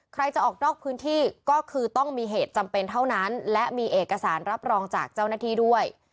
ใครจะออกนอกพื้นที่ก็คือต้องมีเหตุจำเป็นเท่านั้นและมีเอกสารรับรองจากเจ้าหน้าที่ด้วย